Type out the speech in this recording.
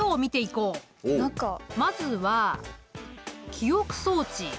まずは記憶装置。